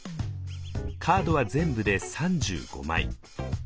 カードは全部で３５枚。